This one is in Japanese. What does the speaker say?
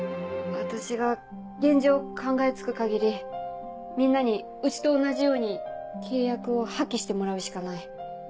私が現状考えつく限りみんなにうちと同じように契約を破棄してもらうしかない。